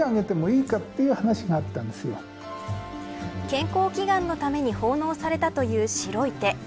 健康祈願のために奉納されたという白い手。